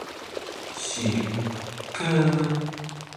行，哥！